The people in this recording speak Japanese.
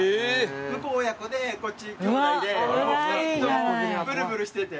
向こう親子でこっち兄弟で２人ともブルブルしてて。